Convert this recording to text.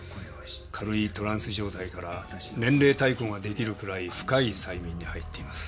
軽いトランス状態から年齢退行ができるくらい深い催眠に入っています。